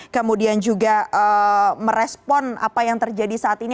kemudian juga merespon apa yang terjadi saat ini